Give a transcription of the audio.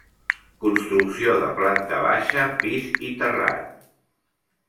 Construcció de planta baixa, pis i terrat.